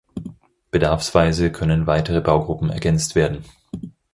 Bedarfsweise können weitere Baugruppen ergänzt werden.